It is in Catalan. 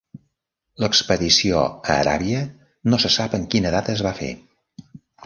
L'expedició a Aràbia no se sap en quina data es va fer.